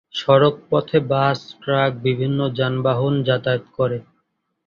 সড়ক পথে bus, truck বিভিন্ন যানবাহন যাতায়াত করে।